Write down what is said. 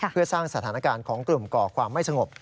เพื่อสร้างสถานการณ์ของกลุ่มก่อความไม่สงบ